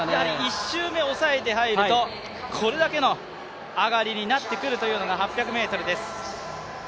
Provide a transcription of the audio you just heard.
１周目抑えて入ると、これだけの上がりになってくるという８００ｍです。